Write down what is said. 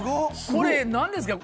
これ何ですか？